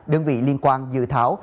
đơn vị liên quan dự thảo